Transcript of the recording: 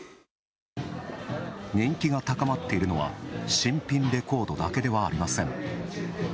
人気が高まっているのは新品レコードだけではありません。